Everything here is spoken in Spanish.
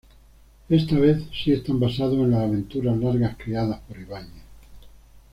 Esta vez sí están basados en las aventuras largas creadas por Ibáñez.